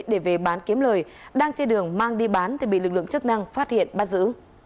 để về bán kiếm lời đang trên đường mang đi bán thì bị lực lượng chức năng phát hiện bắt giữ